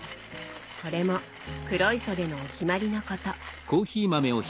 これも黒磯でのお決まりのこと。